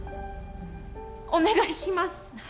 お願いします